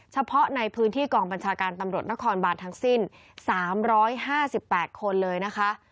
เฉพาะในพื้นที่กองบัญชาการตำรวจนครบานทั้งสิ้น๓๕๘คนเลยนะคะ